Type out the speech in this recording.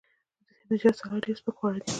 د سبزیجاتو سلاد ډیر سپک خواړه دي.